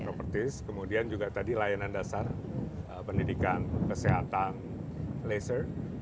propertise kemudian juga tadi layanan dasar pendidikan kesehatan laser